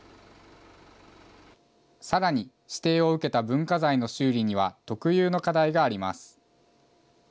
さらに、指定を受けた文化財の修理には、特有の課題があります。